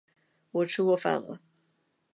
我吃过饭了